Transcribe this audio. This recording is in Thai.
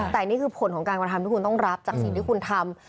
แต่นี่คือผลของการกระทำที่คุณต้องรับจากสิ่งที่คุณทำ